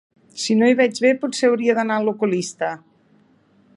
Si no hi veig bé, potser hauria d'anar a l'oculista.